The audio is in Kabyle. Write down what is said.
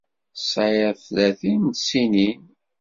Tesεiḍ tlatin n tsinin.